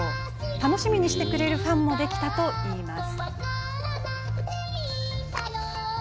楽しみにしてくれるファンもできたといいます。